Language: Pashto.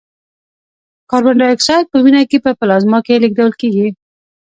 کاربن دای اکساید په وینه کې په پلازما کې لېږدول کېږي.